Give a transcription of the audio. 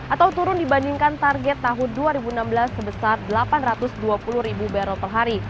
atau turun dibandingkan target tahun dua ribu enam belas sebesar delapan ratus dua puluh ribu barrel per hari